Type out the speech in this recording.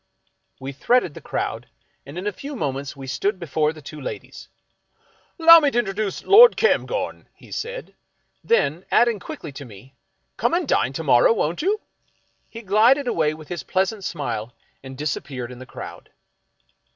We threaded the crowd, and in a few minutes we stood be fore the two ladies. " 'Lowmintrduce L'd Cairngorm," he said ; then, adding quickly to me, " Come and dine to morrow, won't you? " he glided away with his pleasant smile and disappeared in the crowd.